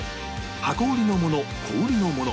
箱売りのもの個売りのもの